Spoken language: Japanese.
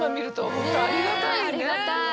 ねえありがたい。